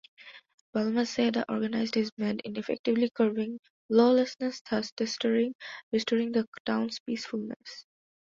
Balmaceda organized his men in effectively curbing lawlessness thus restoring the town's peacefulness.